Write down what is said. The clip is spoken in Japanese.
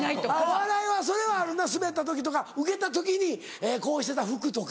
お笑いはそれはあるなスベった時とかウケた時にこうしてた服とか。